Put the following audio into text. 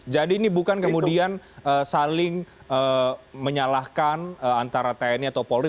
jadi ini bukan kemudian saling menyalahkan antara tni atau polri